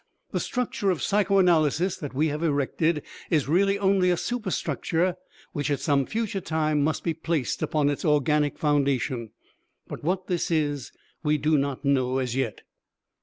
The structure of psychoanalysis that we have erected is really only a superstructure which at some future time must be placed upon its organic foundation; but what this is we do not know as yet.